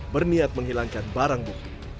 berniat menghilangkan barang bukti